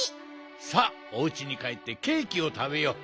さあおうちにかえってケーキをたべよう。